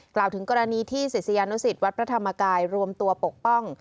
กล่าวถึงกรณีที่ศิษยานุสิตวัดพระธรรมกายรวมตัวปกป้อง